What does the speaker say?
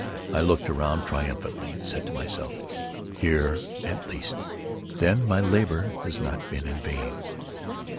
I looked around triumphantly, and said to myself: "Here at least, then, my labor has not been in vain."